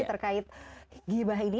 terkait gibah ini